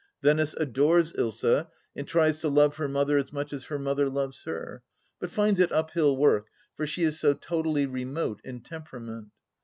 Venice adores Ilsa and tries to love her mother as much as her mother loves her, but finds it uphill work, for she is so totally remote in tem perament.